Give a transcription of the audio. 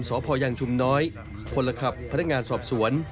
สพยังชุมน้อยคนละขับพนักงานสอบสวน